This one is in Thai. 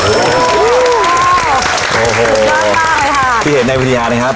โอ้โหน่ารักมากเลยค่ะที่เห็นในวิทยานะครับ